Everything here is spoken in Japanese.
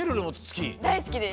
だいすきです。